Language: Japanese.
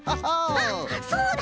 あっそうだ！